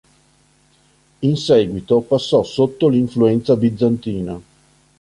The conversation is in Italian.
In seguito passò sotto l'influenza bizantina.